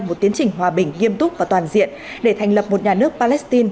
một tiến trình hòa bình nghiêm túc và toàn diện để thành lập một nhà nước palestine